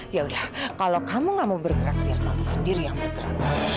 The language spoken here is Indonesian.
yaudah kalau kamu enggak mau bergerak biar tante sendiri yang bergerak